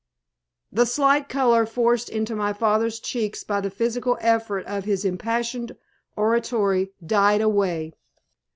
The slight color forced into my father's cheeks by the physical effort of his impassioned oratory died away.